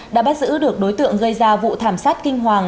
đã bắt giữ được đối tượng gây ra vụ thảm sát kinh hoàng